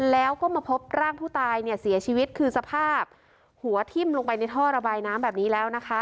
แล้วก็มาพบร่างผู้ตายเนี่ยเสียชีวิตคือสภาพหัวทิ้มลงไปในท่อระบายน้ำแบบนี้แล้วนะคะ